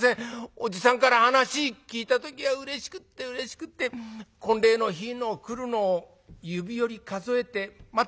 おじさんから話聞いた時はうれしくってうれしくって婚礼の日の来るのを指折り数えて待ってました。